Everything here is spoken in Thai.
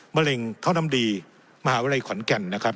มะเร็งท่อน้ำดีมหาวิทยาลัยขอนแก่นนะครับ